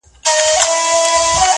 ته بچی د بد نصیبو د وطن یې-